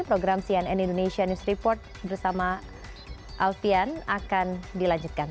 program cnn indonesia news report bersama alfian akan dilanjutkan